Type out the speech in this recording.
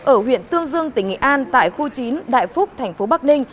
ở huyện tương dương tỉnh nghị an tại khu chín đại phúc tp hcm